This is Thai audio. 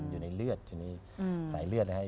อยู่ในเลือดใสเลือดนะครับ